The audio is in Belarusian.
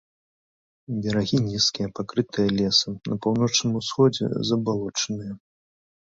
Берагі нізкія, пакрытыя лесам, на паўночным усходзе забалочаныя.